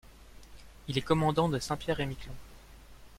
Il est commandant de Saint-Pierre-et-Miquelon.